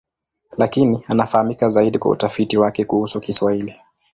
Lakini anafahamika zaidi kwa utafiti wake kuhusu Kiswahili.